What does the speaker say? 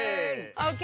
ＯＫ